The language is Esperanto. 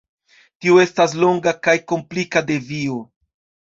Tio estas longa kaj komplika devio.